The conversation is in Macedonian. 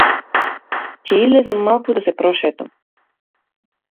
Ќе излезам малку да се прошетам.